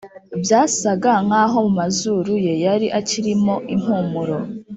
byasaga nkaho mu mazuru ye yari akiri mo impumuro